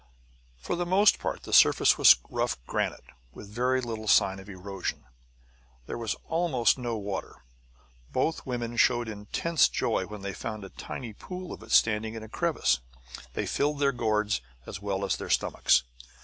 For the most part, the surface was rough granite, with very little sign of erosion. There was almost no water; both women showed intense joy when they found a tiny pool of it standing in a crevasse. They filled their gourds as well as their stomachs.